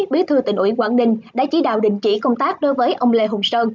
bí thư tỉnh ủy quảng ninh đã chỉ đạo đình chỉ công tác đối với ông lê hùng sơn